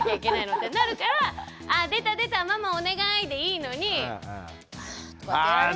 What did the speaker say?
ってなるから「ああ出た出たママお願い」でいいのに「あ」とかってやられちゃうと。